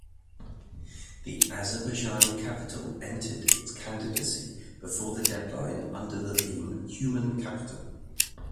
The Azerbaijani capital entered its candidacy before the deadline under the theme "Human Capital".